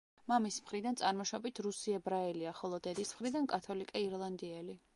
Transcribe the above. მამის მხრიდან წარმოშობით რუსი ებრაელია, ხოლო დედის მხრიდან კათოლიკე ირლანდიელი.